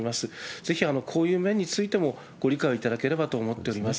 ぜひこういう面についてもご理解をいただければと思っております。